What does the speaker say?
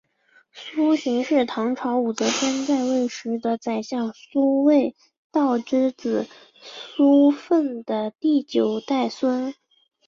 苏洵是唐朝武则天在位时的宰相苏味道之子苏份的第九代孙。